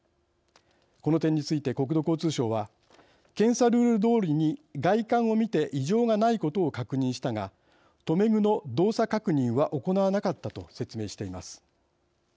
この点について国土交通省は検査ルールどおりに外観を見て異常がないことを確認したが留め具の動作確認は行わなかったと説明しています。